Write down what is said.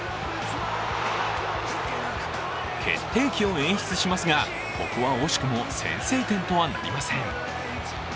決定機を演出しますが、ここは惜しくも先制点とはなりません。